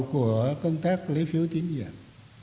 của công tác lấy phiếu tín nhiệm